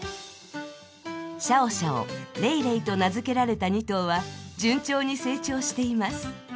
シャオシャオ、レイレイと名づけられた２頭は順調に成長しています。